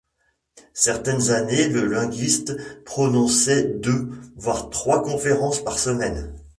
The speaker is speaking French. Certaines années, le linguiste prononçait deux, voire trois conférences par semaine.